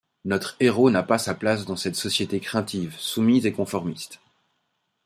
Notre héros n'a pas sa place dans cette société craintive, soumise et conformiste.